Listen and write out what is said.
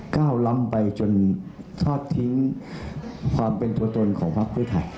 ก้าวล้ำไปจนทอดทิ้งความเป็นตัวตนของพักเพื่อไทย